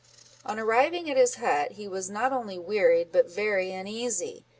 On arriving at his hut, he was not only wearied, but very uneasy.